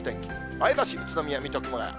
前橋、宇都宮、水戸、熊谷。